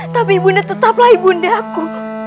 tapi ibu nda tetaplah ibu nda aku